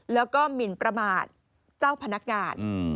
แล้วก็หมินประมาทเจ้าพนักงาน